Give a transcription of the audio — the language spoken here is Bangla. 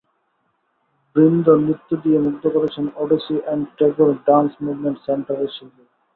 বৃন্দ নৃত্য দিয়ে মুগ্ধ করেছেন Odissi and Tagore dance movement সেন্টারের শিল্পীরা।